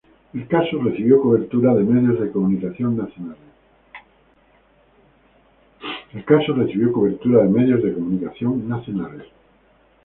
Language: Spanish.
El caso recibió cobertura de medios de comunicación nacionales.